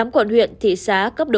tám quận huyện thị xã cấp độ một